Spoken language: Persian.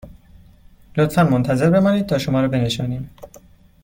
لطفاً منتظر بمانید تا شما را بنشانیم